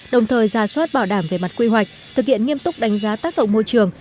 đồng thời ra soát bảo đảm về mặt quy hoạch thực hiện nghiêm túc đánh giá tác động môi trường